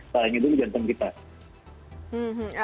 sayangi dulu jantung kita